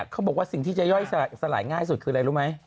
เขาบอกว่าสิ่งที่จะย่อยสลายง่ายสุดคืออะไรรู้ไหม